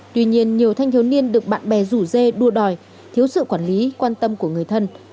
tuy nhiên nhiều thanh thiếu niên được bạn bè rủ dê đua đòi thiếu sự quản lý quan tâm của người thân